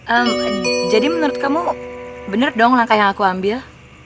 enggak jadi menurut kamu bener dong langkah yang aku ambil